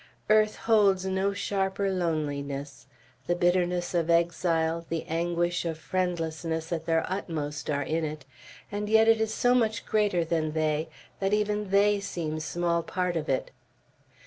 Earth holds no sharper loneliness: the bitterness of exile, the anguish of friendlessness at their utmost, are in it; and yet it is so much greater than they, that even they seem small part of it.